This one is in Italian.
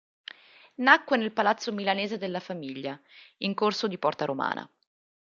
Nacque nel palazzo milanese della famiglia, in Corso di Porta Romana.